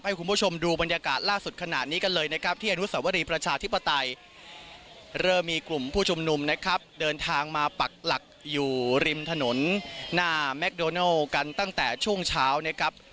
ให้คุณผู้ชมดูบรรยากาศล่าสุดขนาดนี้กันเลยนะครับที่อนุสวรีประชาธิปไตยเริ่มมีกลุ่มผู้ชุมนุมนะครับเดินทางมาปักหลักอยู่ริมถนนหน้าแมคโดนัลกันตั้งแต่ช่วงเช้านะครับ